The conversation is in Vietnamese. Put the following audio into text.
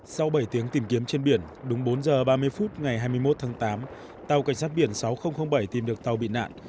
sau bảy tiếng tìm kiếm trên biển đúng bốn giờ ba mươi phút ngày hai mươi một tháng tám tàu cảnh sát biển sáu nghìn bảy tìm được tàu bị nạn